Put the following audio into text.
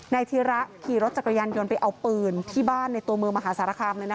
ธีระขี่รถจักรยานยนต์ไปเอาปืนที่บ้านในตัวเมืองมหาสารคาม